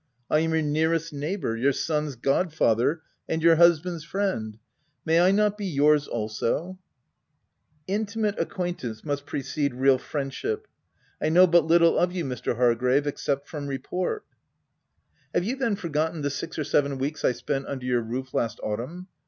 " I am your nearest neighbour, your son's god father, and your husband's friend : may I not be your's also ?''" Intimate acquaintance must precede real friendship : I know but little of you, Mr. Har grave, except from report/ ' OF WILDFELL HALL. l7l " Have you then forgotten the six or seven weeks I spent under your roof last autumn